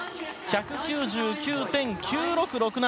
１９９．９６６７。